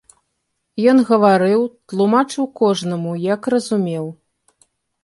Ён гаварыў, тлумачыў кожнаму, як разумеў.